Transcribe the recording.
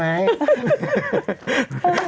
ไผ่มันใหม่๙๐๐๐